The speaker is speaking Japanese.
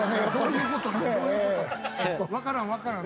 分からん分からん。